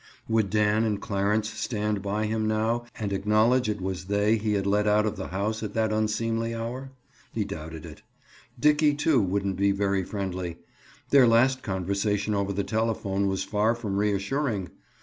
Would Dan and Clarence stand by him now and acknowledge it was they he had let out of the house at that unseemly hour? He doubted it. Dickie, too, wouldn't be very friendly. Their last conversation over the telephone was far from reassuring.